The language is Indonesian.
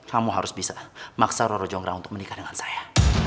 kamu harus bisa maksa roro jonggra untuk menikah dengan saya